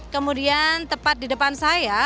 kemudian tepat di depan saya